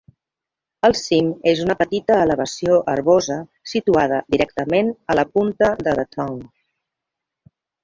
El cim és una petita elevació herbosa situada directament a la punta de The Tongue.